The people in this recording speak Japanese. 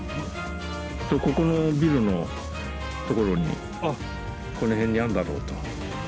ここのビルの所にこの辺にあるんだろうと。